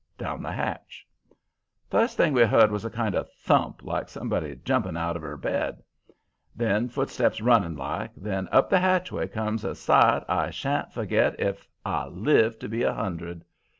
down the hatch. "First thing we heard was a kind of thump like somebody jumping out er bed. Then footsteps, running like; then up the hatchway comes a sight I shan't forget if I live to be a hundred.